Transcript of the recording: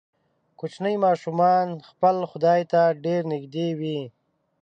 کوچني ماشومان خپل خدای ته ډیر نږدې وي.